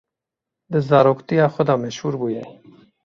Di zaroktiya xwe de meşhûr bûye.